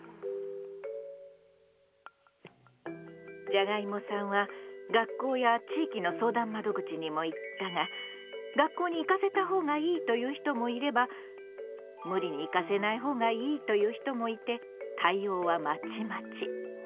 じゃがいもさんは学校や地域の相談窓口にも行ったが「学校に行かせたほうがいい」と言う人もいれば「ムリに行かせないほうがいい」と言う人もいて対応はまちまち。